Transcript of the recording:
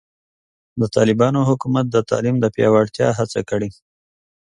د طالبانو حکومت د تعلیم د پیاوړتیا هڅه کړې.